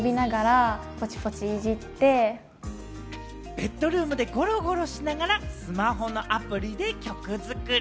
ベッドルームでゴロゴロしながらスマホのアプリで曲作り。